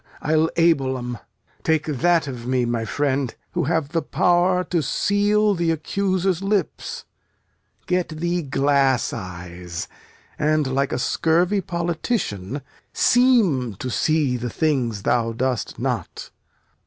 I'll able 'em. Take that of me, my friend, who have the power To seal th' accuser's lips. Get thee glass eyes And, like a scurvy politician, seem To see the things thou dost not.